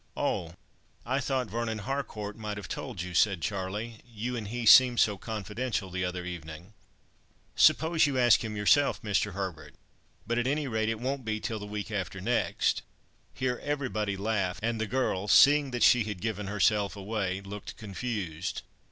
"Oh! I thought Vernon Harcourt might have told you," said Charlie. "You and he seemed so confidential the other evening." "Suppose you ask him yourself, Mr. Herbert? But, at any rate, it won't be till the week after next." Here everybody laughed, and the girl, seeing that she had "given herself away," looked confused.